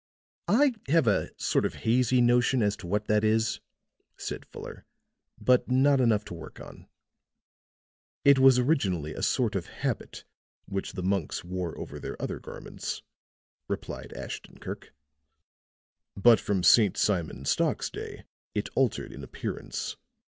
"I have a sort of hazy notion as to what that is," said Fuller, "but not enough to work on." "It was originally a sort of habit which the monks wore over their other garments," replied Ashton Kirk; "but from St. Simon Stock's day it altered in appearance.